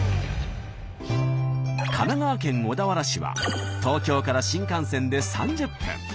神奈川県小田原市は東京から新幹線で３０分。